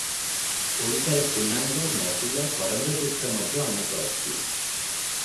ଓଡ଼ିଶାରେ ପୁନାଙ୍ଗ, ମହୁଲ, କରଞ୍ଜବୃକ୍ଷ ମଧ୍ୟ ଅନେକ ଅଛି ।